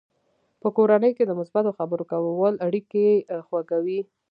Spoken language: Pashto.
په کورنۍ کې د مثبتو خبرو کول اړیکې خوږوي.